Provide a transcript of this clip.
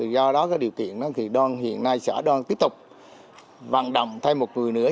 do đó cái điều kiện đó thì hiện nay sẽ đoàn tiếp tục văn động thay một người nữa